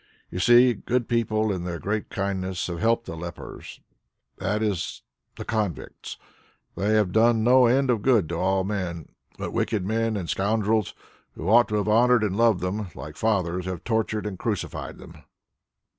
You see, good people in their great kindness have helped the lepers, that is the convicts. They have done no end of good to all men, but wicked men and scoundrels who ought to have honoured and loved them, like fathers, have tortured and crucified them."